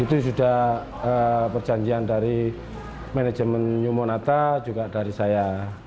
itu sudah perjanjian dari manajemen new monata juga dari saya